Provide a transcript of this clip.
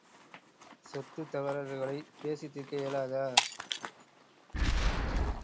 சொத்துத் தகராறுகளைப் பேசித் தீர்க்க இயலாதா?